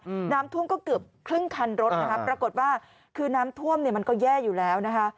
อืมน้ำท่วมก็เกือบครึ่งคันรถนะคะปรากฏว่าคือน้ำท่วมเนี้ยมันก็แย่อยู่แล้วนะคะ